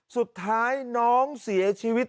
สุดท้ายน้องเสียชีวิต